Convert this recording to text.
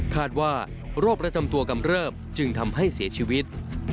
คาดว่าโรคประจำตัวกำเริบจึงทำให้เสียชีวิต